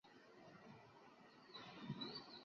黄明堂墓的历史年代为清。